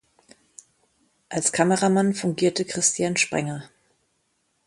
Als Kameramann fungierte Christian Sprenger.